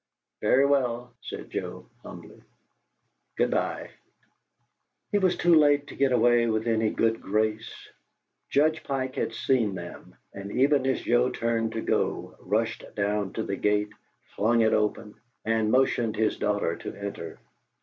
"Very well," said Joe, humbly. "Good bye." He was too late to get away with any good grace. Judge Pike had seen them, and, even as Joe turned to go, rushed down to the gate, flung it open, and motioned his daughter to enter.